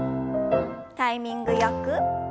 タイミングよく。